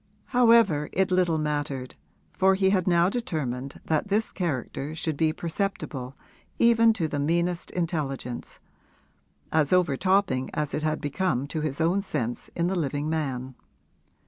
However, it little mattered, for he had now determined that this character should be perceptible even to the meanest intelligence as overtopping as it had become to his own sense in the living man.